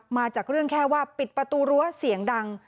มาจากเรื่องแค่ว่าปิดประตูรั้วเสียงดัง